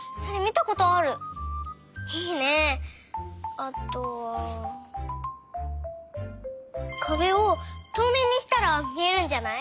あとはかべをとうめいにしたらみえるんじゃない？